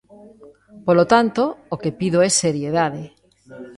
Polo tanto, o que pido é seriedade.